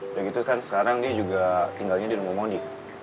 udah gitu kan sekarang dia juga tinggalnya di rumah mondi